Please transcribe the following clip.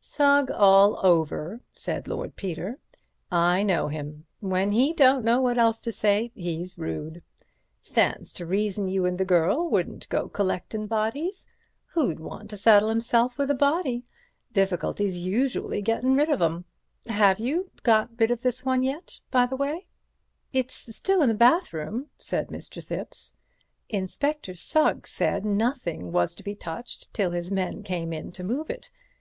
"Sugg all over," said Lord Peter, "I know him. When he don't know what else to say, he's rude, Stands to reason you and the girl wouldn't go collectin' bodies. Who'd want to saddle himself with a body? Difficulty's usually to get rid of 'em. Have you got rid of this one yet, by the way?" "It's still in the bathroom," said Mr. Thipps. "Inspector Sugg said nothing was to be touched till his men came in to move it.